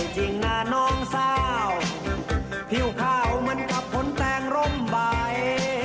สวยจริงนะน้องเศร้าผิวข้าวเหมือนกับผนแตงร่มใบ